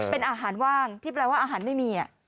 เป็นอาหารว่างที่แปลว่าอาหารไม่มี